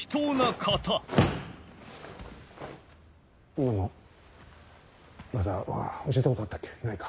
今の技は教えたことあったっけないか。